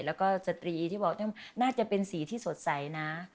แล้วก็สตรีที่บอกน่าจะเป็นสีที่สดใสนะ